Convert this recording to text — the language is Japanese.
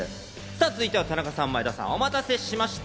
続いては、田中さん、前田さんお待たせいたしました。